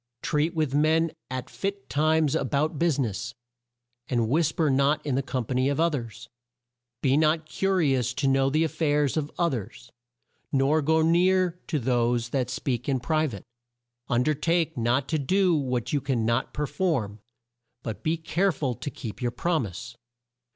"Treat with men at fit times a bout bus i ness; and whis per not in the com pa ny of o thers. "Be not cu ri ous to know the af fairs of o thers, nor go near to those that speak in pri vate. "Un der take not to do what you can not per form, but be care ful to keep your prom ise.